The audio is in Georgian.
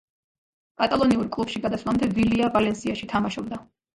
კატალონიურ კლუბში გადასვლამდე, ვილია „ვალენსიაში“ თამაშობდა.